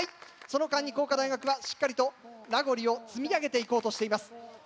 その間に工科大学はしっかりとラゴリを積み上げていこうとしています。